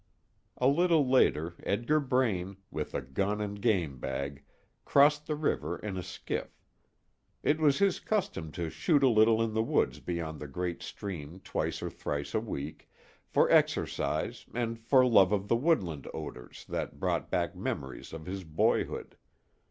A little later, Edgar Braine, with a gun and game bag, crossed the river in a skiff. It was his custom to shoot a little in the woods beyond the great stream twice or thrice a week, for exercise and for love of the woodland odors that brought back memories of his boyhood.